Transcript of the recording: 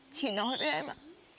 chỉ nói với em ạ